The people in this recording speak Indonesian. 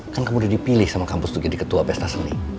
kan kamu udah dipilih sama kampus tuh jadi ketua pesta seni